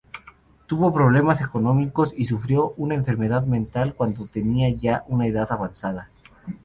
Tuvo problemas económicos y sufrió una enfermedad mental cuando tenía ya una edad avanzada.